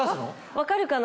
分かるかな？